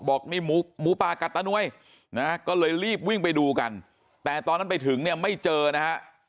บอกนี่หมูป่ากัดตานวยนะก็เลยรีบวิ่งไปดูกันแต่ตอนนั้นไปถึงเนี่ยไม่เจอนะฮะ